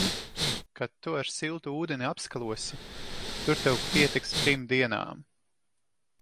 Kad tu ar siltu ūdeni apskalosi, tur tev pietiks trim dienām.